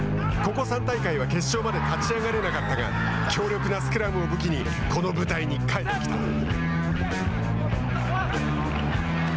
ここ３大会は決勝まで勝ち上がれなかったが強力なスクラムを武器にこの舞台に帰ってきた。